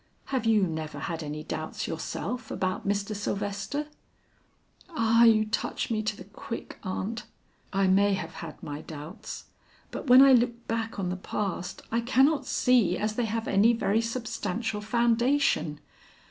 Have you never had any doubts yourself about Mr. Sylvester?" "Ah, you touch me to the quick, aunt. I may have had my doubts, but when I look back on the past, I cannot see as they have any very substantial foundation.